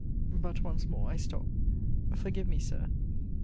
But once more I stop forgive me, Sir!